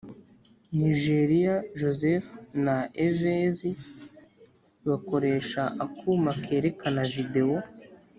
Nijeriya Joseph na Evezi bakoresha akuma kerekana videwo